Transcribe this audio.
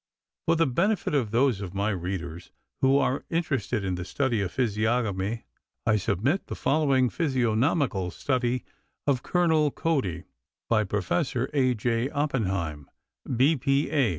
For the benefit of those of my readers who are interested in the study of physiognomy, I submit the following physiognomical study of Colonel Cody by Prof. A. J. Oppenheim, B. P. A.